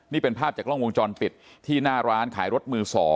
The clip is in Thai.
นี่เป็นภาพจากกล้องวงจรปิดที่หน้าร้านขายรถมือ๒